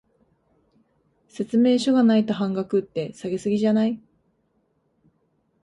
説明書がないと半額って、下げ過ぎじゃない？